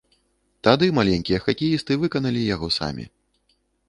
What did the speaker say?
Тады маленькія хакеісты выканалі яго самі.